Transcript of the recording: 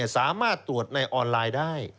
สามารถตรวจในออนไลน์ได้